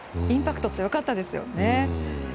インパクトが強かったですよね。